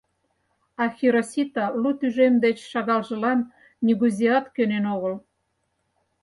А Хиросита лу тӱжем деч шагалжылан нигузеат кӧнен огыл.